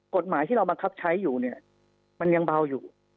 กฎหมายที่เรามันครับใช้อยู่มันยังเบาอยู่